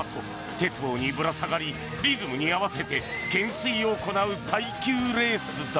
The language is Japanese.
鉄棒にぶら下がりリズムに合わせて懸垂を行う耐久レースだ。